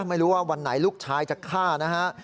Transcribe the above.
ไม่รู้ว่าวันไหนลูกชายจะฆ่านะฮะ